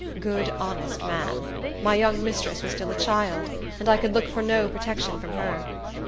Good, honest man! My young mistress was still a child, and I could look for no protection from her.